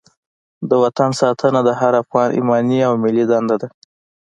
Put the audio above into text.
د وطن ساتنه د هر افغان ایماني او ملي دنده ده.